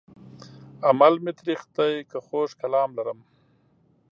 عمل مې تريخ دی که خوږ کلام لرم